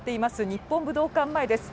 日本武道館前です。